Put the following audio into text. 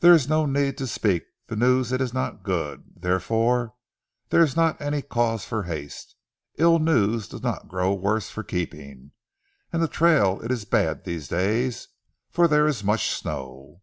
"There is no need to speak. Ze news it is not good! Therefore there is not any cause for haste. Ill news does not grow worse for keeping, and the trail it is bad these days, for there is mooch snow."